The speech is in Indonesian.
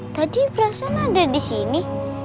tadi berasa ada disini